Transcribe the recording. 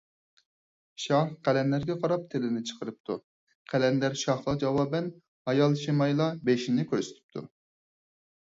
شاھ قەلەندەرگە قاراپ تىلىنى چىقىرىپتۇ، قەلەندەر شاھقا جاۋابەن ھايالشىمايلا بېشىنى كۆرسىتىپتۇ.